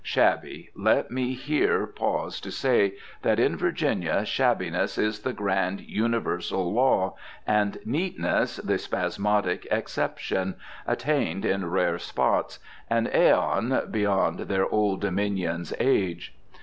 Shabby, let me here pause to say that in Virginia shabbiness is the grand universal law, and neatness the spasmodic exception, attained in rare spots, an aeon beyond their Old Dominion age.